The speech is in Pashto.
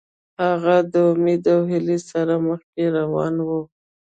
هغه د امید او هیلې سره مخکې روان و.